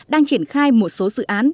đang triển khai một số dự án